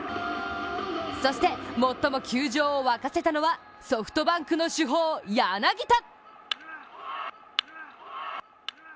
そして、最も球場を沸かせたのはソフトバンクの主砲・柳田。